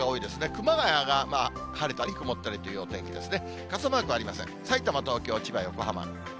熊谷が晴れたり曇ったりというお天気ですね。